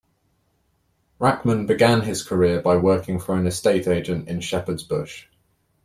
Rachman began his career by working for an estate agent in Shepherd's Bush.